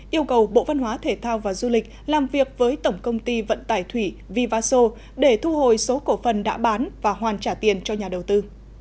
yêu cầu bộ văn hóa thể thao và du lịch làm việc với tổng công ty vận tải thủy vivaso để thu hồi số cổ phần đã bán và hoàn trả tiền cho nhà đầu tư